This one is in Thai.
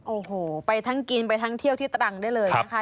โอ้โหไปทั้งกินไปทั้งเที่ยวที่ตรังได้เลยนะคะ